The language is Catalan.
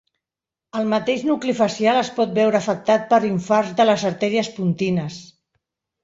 El mateix nucli facial es pot veure afectat per infarts de les artèries pontines.